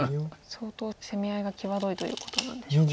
相当攻め合いが際どいということなんでしょうか。